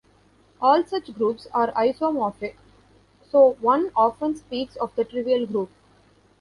All such groups are isomorphic, so one often speaks of "the" trivial group.